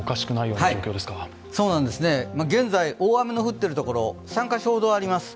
そうなんですね、現在、大雨の降っているところ３カ所ほどあります。